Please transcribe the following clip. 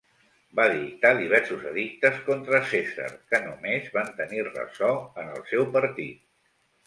Va dictar diversos edictes contra Cèsar que només van tenir ressò en el seu partit.